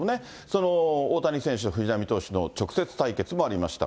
その大谷選手と藤浪投手の直接対決もありました。